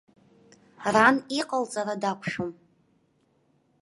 Ран иҟалҵара дақәшәом.